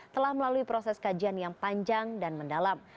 telah melalui proses kajian yang panjang dan mendalam